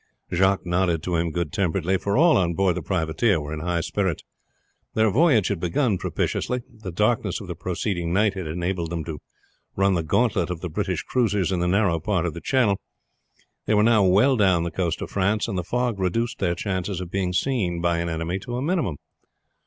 Jacques nodded to him good temperedly, for all on board the privateer were in high spirits. Their voyage had begun propitiously; the darkness of the preceding night had enabled them to run the gantlet of the British cruisers in the narrow part of the channel, they were now well down the coast of France, and the fog reduced their chances of being seen by an enemy to a minimum.